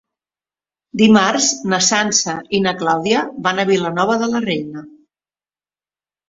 Dimarts na Sança i na Clàudia van a Vilanova de la Reina.